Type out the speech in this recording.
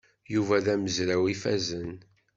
Yuba d amezraw ifazen.